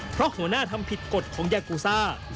เพราะหัวหน้าทำผิดกฎของยากูซ่า